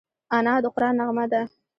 انا د قرآن نغمه ده